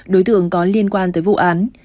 đối tượng có liên quan tới vụ án